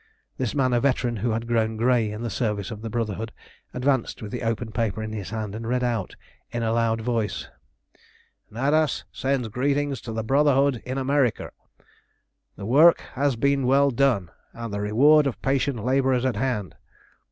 This man, a veteran who had grown grey in the service of the Brotherhood, advanced with the open paper in his hand, and read out in a loud voice Natas sends greeting to the Brotherhood in America. The work has been well done, and the reward of patient labour is at hand.